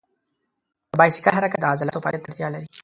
د بایسکل حرکت د عضلاتو فعالیت ته اړتیا لري.